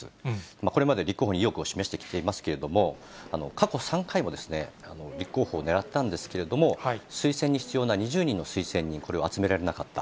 これまで立候補に意欲を示してきていますけれども、過去３回も立候補をねらったんですけれども、推薦に必要な２０人の推薦人、これを集められなかった。